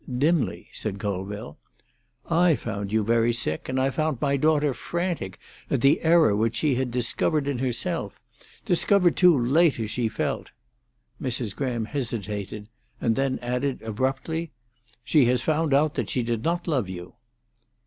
"Dimly," said Colville. "I found you very sick, and I found my daughter frantic at the error which she had discovered in herself—discovered too late, as she felt." Mrs. Graham hesitated, and then added abruptly, "She had found out that she did not love you."